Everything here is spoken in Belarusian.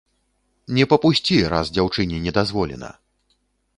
Не папусці, раз дзяўчыне не дазволена.